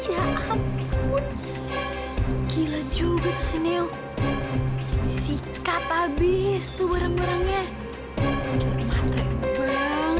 ya ampun gila juga sini oh sikat abis tuh orang orangnya